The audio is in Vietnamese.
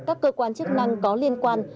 các cơ quan chức năng có liên quan